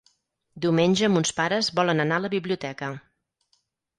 Diumenge mons pares volen anar a la biblioteca.